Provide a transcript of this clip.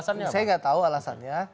saya gak tau alasannya